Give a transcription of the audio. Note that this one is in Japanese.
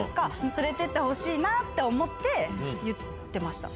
連れてってほしいなって思って、言ってました。